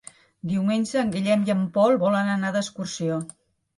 Diumenge en Guillem i en Pol volen anar d'excursió.